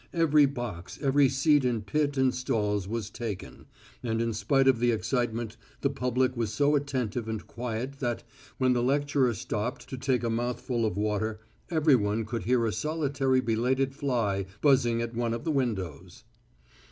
Every box, every seat in pit and stalls was taken, and in spite of the excitement the public was so attentive and quiet that, when the lecturer stopped to take a mouthful of water, everyone could hear a solitary belated fly buzzing at one of the windows.